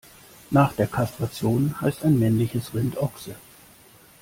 Nach der Kastration heißt ein männliches Rind Ochse.